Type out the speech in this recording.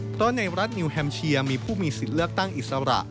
เพราะในรัฐนิวแฮมเชียมีผู้มีสิทธิ์เลือกตั้งอิสระ